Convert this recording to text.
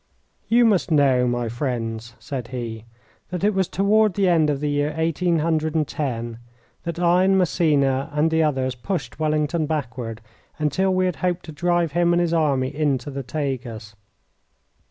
You must know, my friends, said he, that it was toward the end of the year eighteen hundred and ten that I and Massena and the others pushed Wellington backward until we had hoped to drive him and his army into the Tagus.